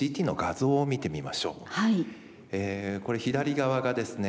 これ左側がですね